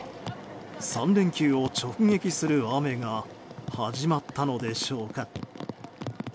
３連休を直撃する雨が始まったのでしょうか。